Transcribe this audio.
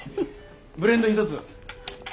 ブレンド１つ。